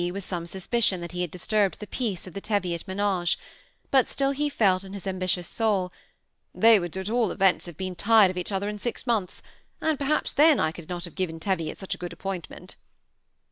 with some suspicion that he had disturbed the peace of the Teviot menage ; but still he felt in his ambitious soul, ^ They would at all events have been tired of each other in six months, and perhaps then I could not have given Teviot such a good appointment."